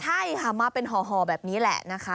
ใช่ผ่ามะเป็นห่อแบบนี้แหละโอเค